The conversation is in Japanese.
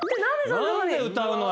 何で歌うのよ。